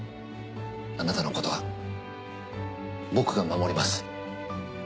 あなたのことは僕が守ります。